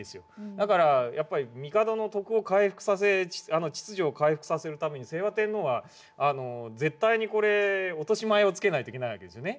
だからやっぱり帝の徳を回復させ秩序を回復させるために清和天皇は絶対にこれ落とし前をつけないといけない訳ですよね。